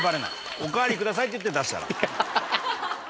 おかわりくださいっていって出したら。